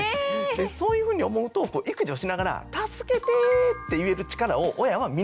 そういうふうに思うと育児をしながら「助けて！」って言える力を親は身につけてほしい。